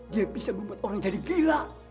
dia bisa membuat orang jadi gila